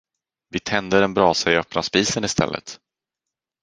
Vi tänder en brasa i öppna spisen istället.